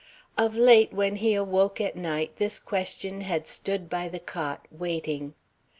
Of late when he awoke at night this question had stood by the cot, waiting.